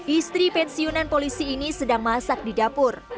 istri pensiunan polisi ini sedang masak di dapur